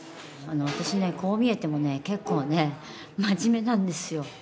私ねこう見えてもね結構ね真面目なんですよ。